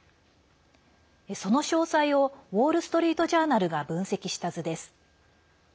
その詳細をウォール・ストリート・ジャーナルが分析した図です。